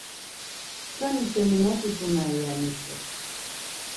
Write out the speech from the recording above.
Sǩani şeni mot utzomer, ya mitzu.